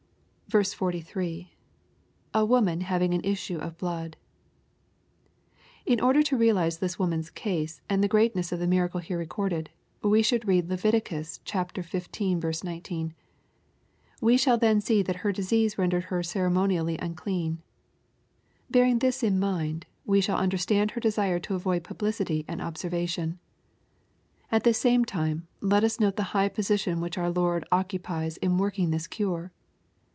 43. — [A woman having cm issue of hhod^ In order to realize this woman's case, and the greatness of the miracle here recorded, we should r3ad Leviticus xv. 19. We shall then see that her disease rendered her ceremonially undean. Bearing this in mind, we shall understand her desire to avoid publicity and observation. At the same time, let us note the high position which our Lord occu pies in working this cure.